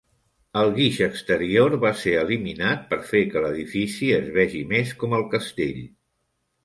El guix exterior va ser eliminat per fer que l'edifici es vegi més com el castell.